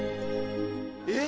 えっ。